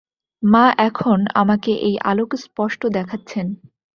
মা এখন আমাকে এই আলোক স্পষ্ট দেখাচ্ছেন।